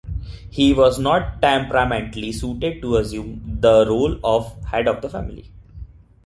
He was not temperamentally suited to assume the role of head of the family.